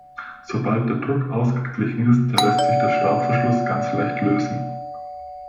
Sobald der Druck ausgeglichen ist, lässt sich der Schraubverschluss ganz leicht lösen.